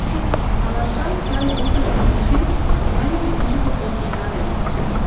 Алашан сай утыжым шинчен, мыйым ончыко колтышда вет.